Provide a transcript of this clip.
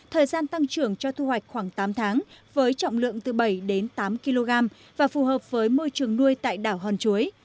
thời gian tăng trưởng cho thu hoạch khoảng tám tháng với trọng lượng từ bảy đến tám kg và phù hợp với môi trường nuôi tại đảo hòn chuối